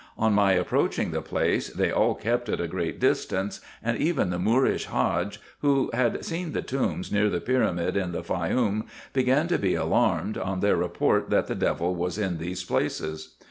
On my ap proaching the place, they all kept at a great distance, and even the Moorish Hadge, who had seen the tombs near the pyramid in the Faioum, began to be alarmed on their report that the devil was in these places.